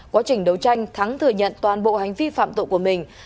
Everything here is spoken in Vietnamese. quá trình đấu tranh thắng thừa nhận toàn bộ hành vi phạm tội của mình